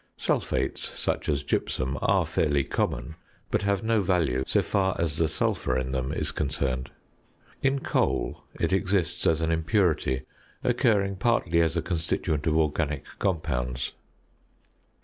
Sulphates, such as gypsum, are fairly common, but have no value so far as the sulphur in them is concerned. In coal it exists as an impurity, occurring partly as a constituent of organic compounds.